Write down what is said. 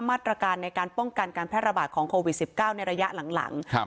มาตรการในการป้องกันการแพร่ระบาดของโควิดสิบเก้าในระยะหลังหลังครับ